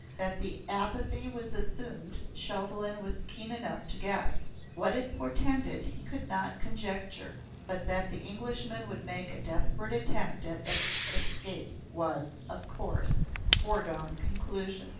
That the apathy was assumed Chauvelin was keen enough to guess. What it portended he could not conjecture. But that the Englishman would make a desperate attempt at escape was, of course, a foregone conclusion.